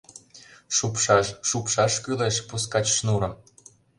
Шупшаш, шупшаш кӱлеш пускач шнурым!